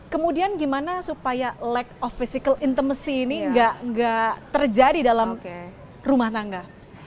kemudian gimana supaya lag of physical intomacy ini gak terjadi dalam rumah tangga